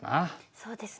そうですね。